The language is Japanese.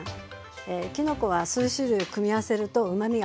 きのこは数種類を組み合わせるとうまみがアップします。